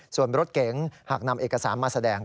ส่วนรถเก๋งหากนำเอกสารมาแสดง